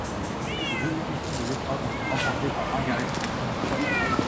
Les deux éditions de l'épreuve ont été remportées par Margaret Smith.